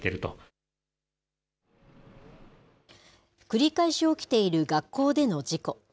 繰り返し起きている学校での事故。